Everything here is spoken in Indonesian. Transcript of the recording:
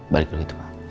balik begitu pak